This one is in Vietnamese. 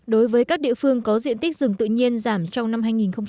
đối với các địa phương có diện tích rừng tự nhiên giảm trong năm hai nghìn một mươi bảy